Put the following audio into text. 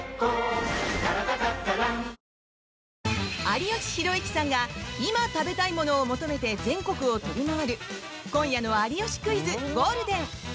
有吉弘行さんが今食べたいものを求めて全国を飛び回る、今夜の「有吉クイズ」ゴールデン。